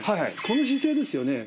この姿勢ですよね。